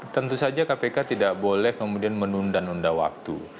tentu saja kpk tidak boleh kemudian menunda nunda waktu